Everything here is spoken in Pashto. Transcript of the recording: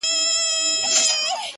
اوس دي لا د حسن مرحله راغلې نه ده!!